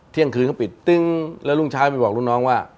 เที่ยงคืนเขาปิดตึ้งแล้วรุ่งเช้าไปบอกลูกน้องว่า